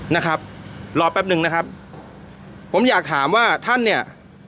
นะครับรอแป๊บนึงนะครับผมอยากถามว่าท่านเนี่ย